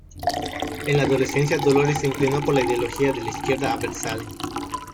En la adolescencia Dolores se inclinó por la ideología de la izquierda abertzale.